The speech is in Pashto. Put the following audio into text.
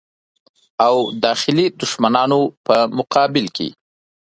او داخلي دښمنانو په مقابل کې.